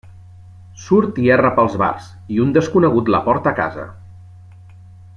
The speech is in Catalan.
Surt i erra pels bars, i un desconegut la porta a casa.